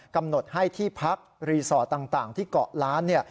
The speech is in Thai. กำหนดให้ที่พักรีสอร์ทต่างที่เกาะล้าน